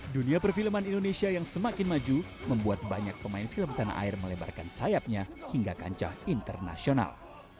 dunia perfilman indonesia yang semakin maju membuat banyak pemain film tanah air melebarkan sayapnya hingga kancah internasional